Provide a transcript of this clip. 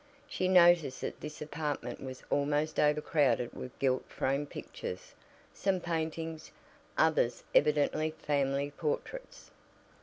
She noticed that this apartment was almost overcrowded with gilt framed pictures, some paintings, others evidently family portraits.